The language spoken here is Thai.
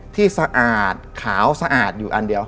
สะอาดขาวสะอาดอยู่อันเดียว